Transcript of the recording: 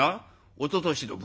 「おととしの分」。